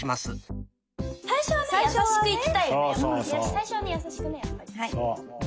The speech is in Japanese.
最初はねやさしくねやっぱりね。